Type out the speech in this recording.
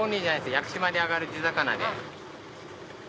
屋久島で揚がる地魚で。